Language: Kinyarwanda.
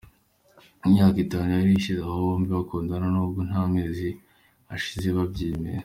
Imyaka itanu yari ishize aba bombi bakundana, n'ubwo nta mezi menshi ashize babyemeye.